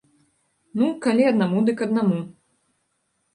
Ну, калі аднаму, дык аднаму.